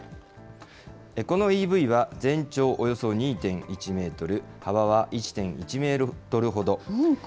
このＥＶは全長およそ２．１メートル、幅は１．１メートルほど。